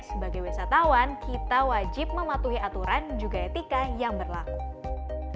sebagai wisatawan kita wajib mematuhi aturan juga etika yang berlaku